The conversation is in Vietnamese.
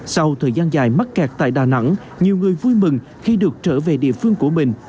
sau thời gian dài mắc kẹt tại đà nẵng nhiều người vui mừng khi được trở về địa phương của mình